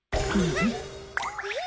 えっ！？